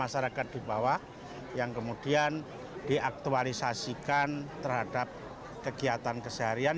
masyarakat di bawah yang kemudian diaktualisasikan terhadap kegiatan keseharian